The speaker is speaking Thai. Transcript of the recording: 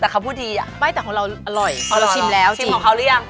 แต่เขาพูดดีอ่ะไม่แต่ของเราอร่อยพอเราชิมแล้วชิมของเขาหรือยัง